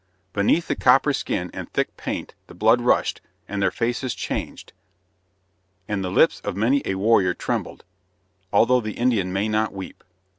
Beneath the copper skin and thick paint the blood rushed, and their faces changed, and the lips of many a warrior trembled, although the Indian may not weep.